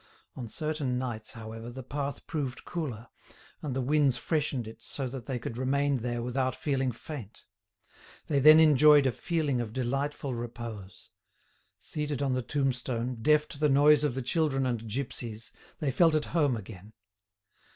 On certain nights, however, the path proved cooler, and the winds freshened it so that they could remain there without feeling faint. They then enjoyed a feeling of delightful repose. Seated on the tombstone, deaf to the noise of the children and gipsies, they felt at home again.